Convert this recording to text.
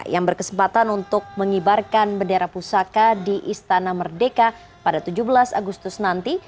yang berkesempatan untuk mengibarkan bendera pusaka di istana merdeka pada tujuh belas agustus nanti